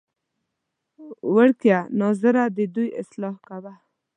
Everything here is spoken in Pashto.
وړکیه ناظره ددوی اصلاح کوه.